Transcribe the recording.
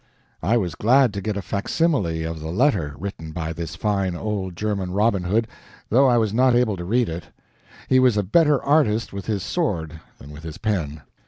I was glad to get a facsimile of the letter written by this fine old German Robin Hood, though I was not able to read it. He was a better artist with his sword than with his pen.